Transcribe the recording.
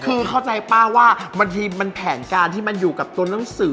คือเข้าใจป้าว่าบางทีมันแผนการที่มันอยู่กับตัวหนังสือ